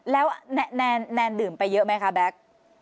แล้วแนนดื่มไปเยอะไหมคะแบ็ค